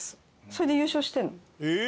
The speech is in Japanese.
それで優勝してるの。